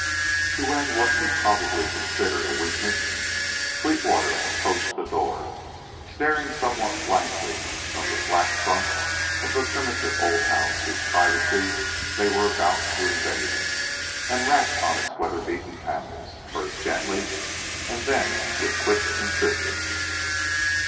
To end what he probably considered a weakness, Sweetwater approached the door staring somewhat blankly from the flat front of the primitive old house whose privacy they were about to invade, and rapped on its weather beaten panels, first gently and then with quick insistence.